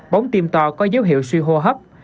bóng tim to có dấu hiệu suy hô hấp